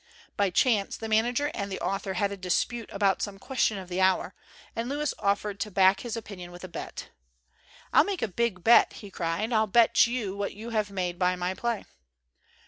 By chance the manager and the author had a dispute about some ques tion of the hour, and Lewis offered to back his opinion with a bet. "I'll make a big bet," he cried; "I'll bet you what you have made by my play."